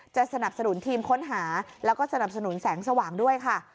สนับสนุนทีมค้นหาแล้วก็สนับสนุนแสงสว่างด้วยค่ะ